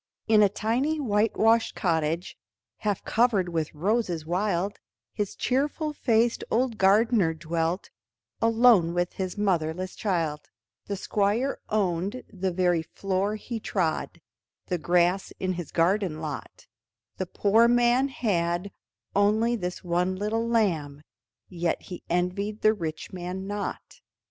In a tiny whitewashed cottage, Half covered with roses wild, His cheerful faced old gardener dwelt Alone with his motherless child; The Squire owned the very floor he trod, The grass in his garden lot, The poor man had only this one little lamb Yet he envied the rich man not.